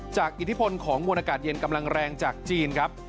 อิทธิพลของมวลอากาศเย็นกำลังแรงจากจีนครับ